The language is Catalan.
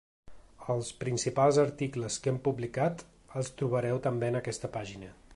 Els principals articles que hem publicat els trobareu també en aquesta pàgina.